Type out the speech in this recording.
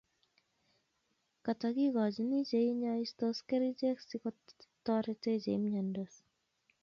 katakigoini che nyaise kerichek si kotatretee chemiandos